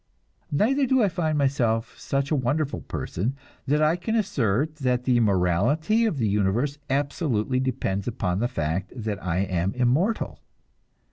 Neither do I find myself such a wonderful person that I can assert that the morality of the universe absolutely depends upon the fact that I am immortal.